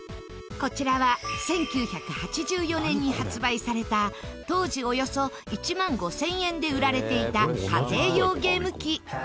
こちらは１９８４年に発売された当時およそ１万５０００円で売られていた家庭用ゲーム機。